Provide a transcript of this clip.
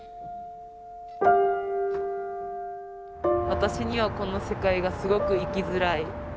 私にはこの世界がすごく生きづらい。